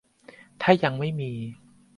ถ้ายังไม่มี